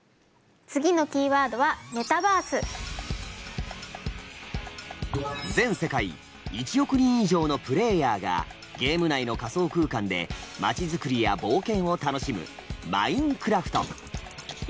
次のキーワードは全世界１億人以上のプレーヤーがゲーム内の仮想空間で街づくりや冒険を楽しむ「マインクラフト」。